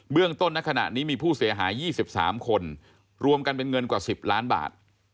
เรื่องต้นในขณะนี้มีผู้เสียหาย๒๓คนรวมกันเป็นเงินกว่า๑๐ล้านบาท